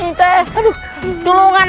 aduh tolong nyai